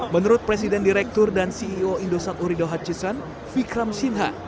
menurut presiden direktur dan ceo indosat oredo hutchison vikram sinha